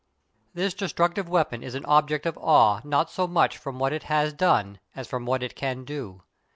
This destructive weapon is an object of awe not so much from what it has done as from what it can do.